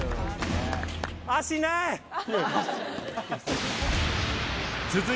足ない。